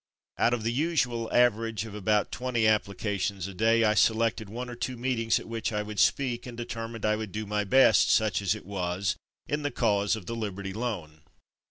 Out of the usual aver age of about twenty applications a day, I selected one or two meetings at which I would speak, and determined I would do my best, such as it was, in the cause of the Liberty Loan.